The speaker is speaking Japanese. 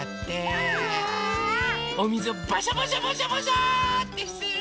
おみずをバシャバシャバシャバシャってしてるのかな？